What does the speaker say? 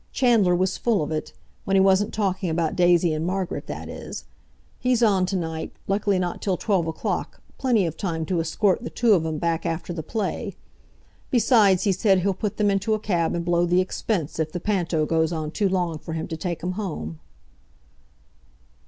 Chandler was full of it—when he wasn't talking about Daisy and Margaret, that is. He's on to night, luckily not till twelve o'clock; plenty of time to escort the two of 'em back after the play. Besides, he said he'll put them into a cab and blow the expense, if the panto' goes on too long for him to take 'em home."